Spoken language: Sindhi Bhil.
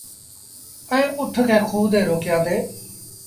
ائيٚݩ اُٺ کي کوه تي روڪيآݩدي۔